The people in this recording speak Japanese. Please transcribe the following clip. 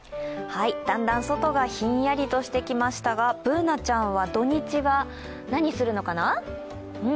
だんだん外がひんやりとしてきましたがＢｏｏｎａちゃんは土日は何するのかな？